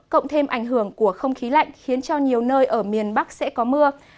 cộng thêm ảnh hưởng của không khí lạnh khiến cho nhiều nơi ở miền bắc sẽ có mưa